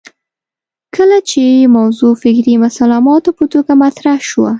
کله چې موضوع فکري مسلماتو په توګه مطرح شوه